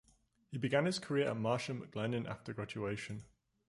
He began his career at Marsh and McLennan after graduation.